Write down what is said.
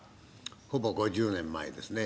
ほぼ５０年前ですね。